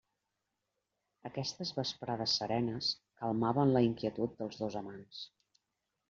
Aquestes vesprades serenes calmaven la inquietud dels dos amants.